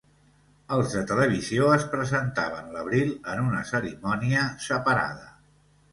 Els de televisió es presentaven l'abril en una cerimònia separada.